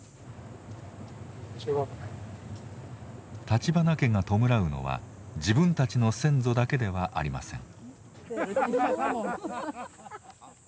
立花家が弔うのは自分たちの先祖だけではありません。